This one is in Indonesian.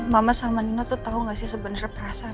mama sama nino tuh tau gak sih sebenernya perasaan aku